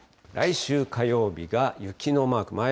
来週火曜日が雪のマーク。